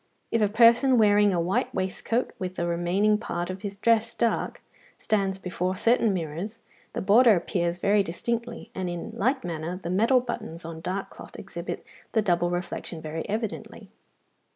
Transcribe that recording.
If a person wearing a white waistcoat, with the remaining part of his dress dark, stands before certain mirrors, the border appears very distinctly, and in like manner the metal buttons on dark cloth exhibit the double reflection very evidently.